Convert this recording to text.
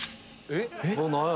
何や？